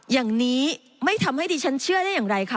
อย่างนี้ไม่ทำให้ดิฉันเชื่อได้อย่างไรคะ